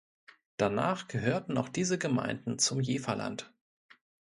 Danach gehörten auch diese Gemeinden zum Jeverland.